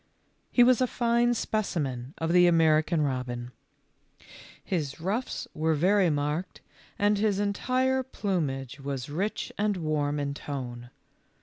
He was a fine specimen of the American robin. His ruffs were very marked, and his entire plumage was rich and warm in tone.